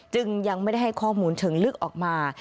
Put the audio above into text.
จึงยังไม่ได้ให้ข้อมูลเชิงลึกออกมา